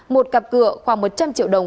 một cặp cửa khoảng một trăm linh triệu đồng